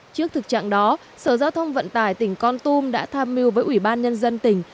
trước thực trạng đó sở giao thông vận tải tỉnh con tum đã tham mưu với ủy ban nhân dân tỉnh